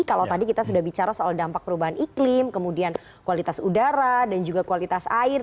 kalau tadi kita sudah bicara soal dampak perubahan iklim kemudian kualitas udara dan juga kualitas air